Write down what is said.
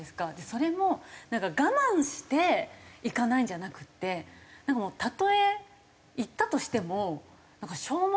それもなんか我慢して行かないんじゃなくてたとえ行ったとしてもしょうもなっ！